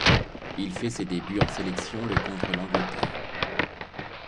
Il fait ses débuts en sélection le contre l'Angleterre.